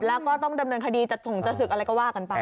แล้วก็ต้องดำเนินคดีจะส่งจะศึกอะไรก็ว่ากันไป